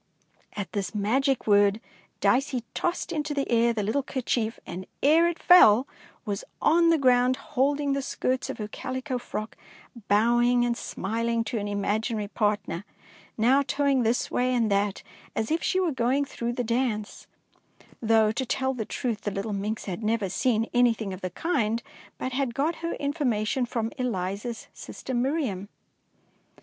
At this magic word Dicey tossed into the air the little kerchief, and, ere it fell, was on the ground holding the skirts of her calico frock, bowing and smiling to an imaginary partner, now toeing this way and that, as if she were going through the dance, though, to tell the truth, the little minx had never seen anything of the kind, but had got her information from Eliza's sister 233 DEEDS OE DAEING Miriam.